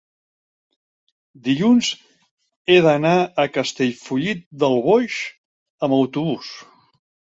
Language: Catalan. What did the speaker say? dilluns he d'anar a Castellfollit del Boix amb autobús.